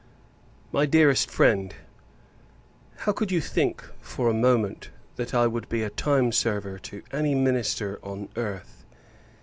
MY DEAREST FRIEND, How could you think, for a moment, that I would be a time server to any Minister on earth!